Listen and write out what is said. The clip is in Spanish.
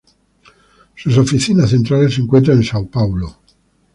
Sus oficinas centrales se encuentran en São Paulo.